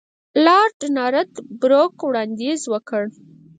لارډ نارت بروک وړاندیز وکړ.